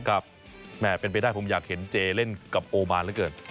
แหม่เป็นไปได้ผมอยากเห็นเจเล่นกับโอมานเหลือเกิน